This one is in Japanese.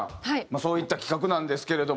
そういった企画なんですけれども。